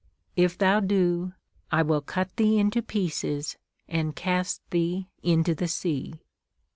If thou do, I will cut thee into pieces, and cast thee into the sea.